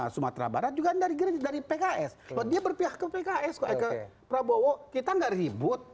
sumatera barat juga dari dari pks dia berpihak ke pks prabowo kita enggak ribut